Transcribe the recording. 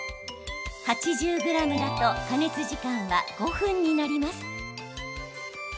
８０ｇだと加熱時間は５分になります。